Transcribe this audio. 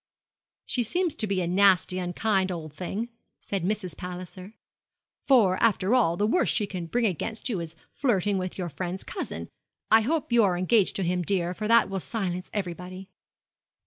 'She seems to be a nasty, unkind old thing,' said Mrs. Palliser; 'for, after all, the worst she can bring against you is flirting with your friend's cousin. I hope you are engaged to him, dear; for that will silence everybody.'